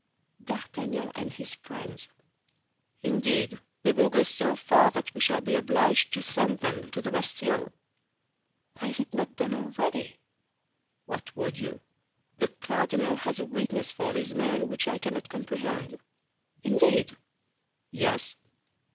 "D'Artagnan and his friends." "Indeed, they will go so far that we shall be obliged to send them to the Bastille." "Why is it not done already?" "What would you? The cardinal has a weakness for these men which I cannot comprehend." "Indeed!" "Yes."